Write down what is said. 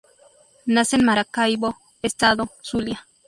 Nace en Maracaibo, Estado Zulia.